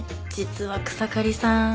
実は草刈さん